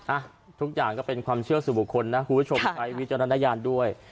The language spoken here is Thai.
อ่ะทุกอย่างก็เป็นความเชื่อสู่บุคคลนะคุณผู้ชมใช้วิจารณญาณด้วย